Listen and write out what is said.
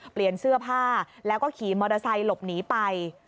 เปลี่ยนเสื้อผ้าแล้วก็ขี่มอเตอร์ไซค์หลบหนีไป